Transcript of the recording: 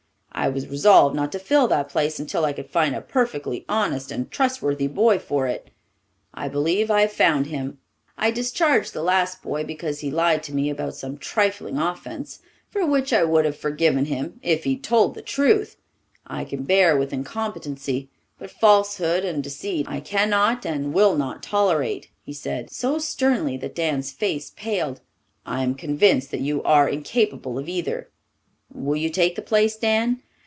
I was resolved not to fill that place until I could find a perfectly honest and trustworthy boy for it. I believe I have found him. I discharged the last boy because he lied to me about some trifling offence for which I would have forgiven him if he had told the truth. I can bear with incompetency, but falsehood and deceit I cannot and will not tolerate," he said, so sternly that Dan's face paled. "I am convinced that you are incapable of either. Will you take the place, Dan?"